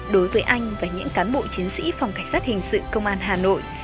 đối với anh và những cán bộ chiến sĩ phòng cảnh sát hình sự công an hà nội